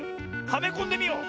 はめこんでみよう！